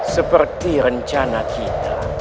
seperti rencana kita